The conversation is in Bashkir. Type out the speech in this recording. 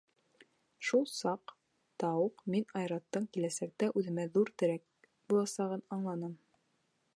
Шул саҡта уҡ мин Айраттың киләсәктә үҙемә ҙур терәк буласағын аңланым.